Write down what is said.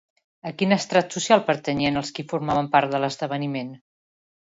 A quin estrat social pertanyien els qui formaven part de l'esdeveniment?